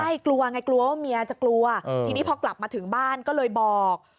ใช่กลัวไงกลัวว่าเมียจะกลัวทีนี้พอกลับมาถึงบ้านก็เลยบอก